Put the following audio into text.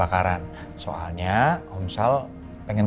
aku udah sampe di kendaraan